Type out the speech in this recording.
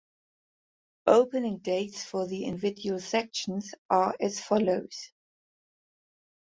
Opening dates for the individual sections are as follows.